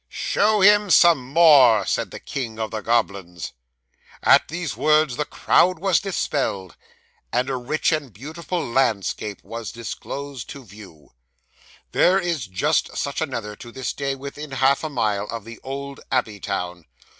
'"Show him some more!" said the king of the goblins. 'At these words, the cloud was dispelled, and a rich and beautiful landscape was disclosed to view there is just such another, to this day, within half a mile of the old abbey town.